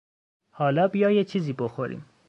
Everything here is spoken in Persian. حالا بیا یه چیزی بخوریم.